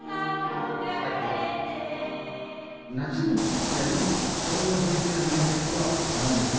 夏に聴きたい昭和・平成の名曲はなんですか。